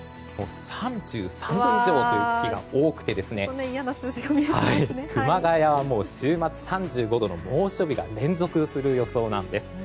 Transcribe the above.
３３度以上という日が多くて熊谷は週末３５度の猛暑日が連続する予想です。